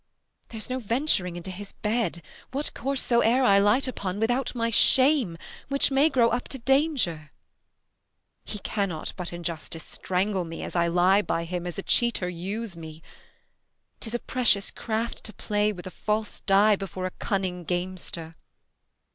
There's no venturing Into his bed, what course soe'er I light upon, Without my shame, which may grow up to danger; He cannot but in justice strangle me As I lie by him, as a cheater use me ; 15 'Tis a precious craft to play with a false die Before a cunning gamester.